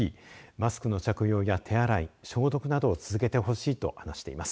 マスクの着用や手洗い消毒などを続けてほしいと話しています。